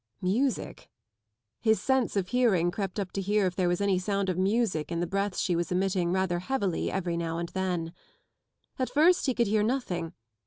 Music? His sense of hearing crept up to hear if there was any sound of music in the breaths she was emitting rather heavily every now and now and then. At first he could hear nothing.